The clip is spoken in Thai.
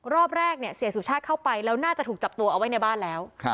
รอบแรกเนี่ยเสียสุชาติเข้าไปแล้วน่าจะถูกจับตัวเอาไว้ในบ้านแล้ว